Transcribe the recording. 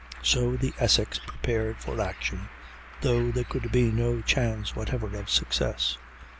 So the Essex prepared for action, though there could be no chance whatever of success.